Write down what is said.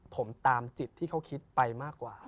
ผมตามจิตที่เขาคิดไปมากกว่า